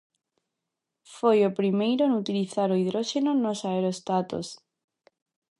Foi o primeiro en utilizar o hidróxeno nos aeróstatos.